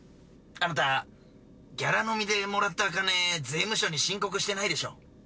あなたギャラ飲みでもらった金税務署に申告してないでしょ？